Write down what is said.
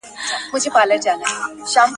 دورکهایم ټولنیز واقعیت په څو برخو وېسي.